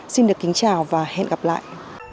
xin được kính chào và hẹn gặp lại